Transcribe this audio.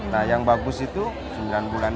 nah yang bagus itu sembilan bulan